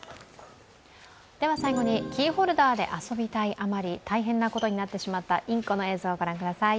最後にキーホルダーで遊びたい余り大変なことになってしまったいんこの映像をご覧ください。